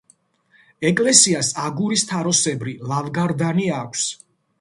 ეკლესიას აგურის თაროსებრი ლავგარდანი აქვს.